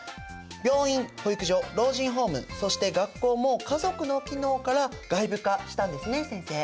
病院保育所老人ホームそして学校も家族の機能から外部化したんですね先生。